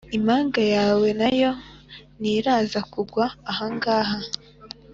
impanga yawe na yo ntiraza kugwa ahangaha".